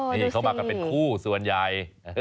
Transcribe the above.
นี่เขามากันเป็นคู่ส่วนใหญ่